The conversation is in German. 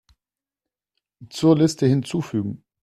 Zur Liste hinzufügen.